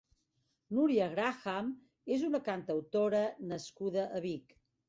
Núria Graham és una cantautora nascuda a Vic.